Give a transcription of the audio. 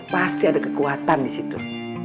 pasti ada kekuatan disitu